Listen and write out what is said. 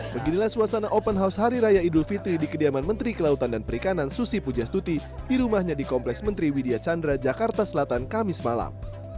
beginilah suasana open house hari raya idul fitri di kediaman menteri kelautan dan perikanan susi pujastuti di rumahnya di kompleks menteri widya chandra jakarta selatan kamis malam